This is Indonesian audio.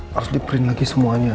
harus di print lagi semuanya